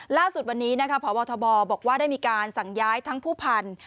ล่าสุดวันนี้นะครับพอบัตถบบอกว่าได้มีการสั่งย้ายทั้งภู่พันธุ์